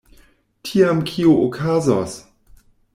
Tiam kio okazos?